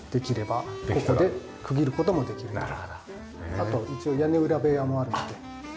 あと一応屋根裏部屋もあるので。